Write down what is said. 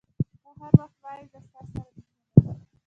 ته هر وخت وایي زه ستا سره مینه لرم.